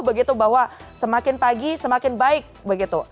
begitu bahwa semakin pagi semakin baik begitu